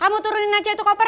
kamu turunin aja itu koper